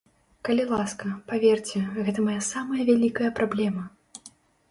Калі ласка, паверце, гэта мая самая вялікая праблема.